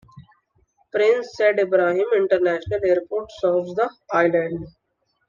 Prince Said Ibrahim International Airport serves the island.